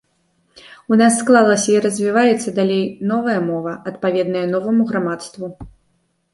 У нас склалася і развіваецца далей новая мова, адпаведная новаму грамадству.